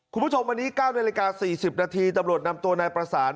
คุณผู้ชมวันนี้เก้าในรายการสี่สิบนาทีตำลวดนำตัวนายประสาน